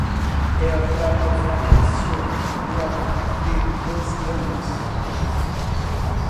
El trato fracasó luego de dos años.